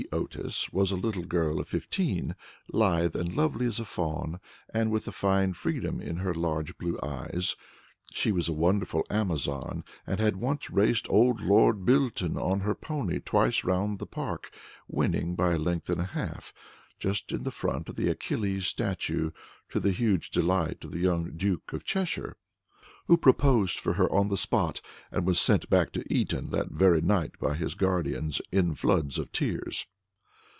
Otis was a little girl of fifteen, lithe and lovely as a fawn, and with a fine freedom in her large blue eyes. She was a wonderful Amazon, and had once raced old Lord Bilton on her pony twice round the park, winning by a length and a half, just in front of the Achilles statue, to the huge delight of the young Duke of Cheshire, who proposed for her on the spot, and was sent back to Eton that very night by his guardians, in floods of tears.